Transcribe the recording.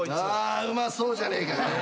あうまそうじゃねえか。